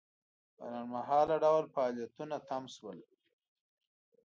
په لنډمهاله ډول فعالیتونه تم شول.